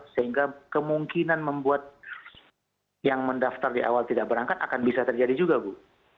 sehingga kemungkinan membuat yang mendaftar di awal tidak berangkat akan bisa terjadi juga bu